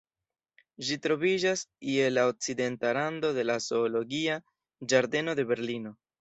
Ĝi troviĝas je la okcidenta rando de la Zoologia ĝardeno de Berlino.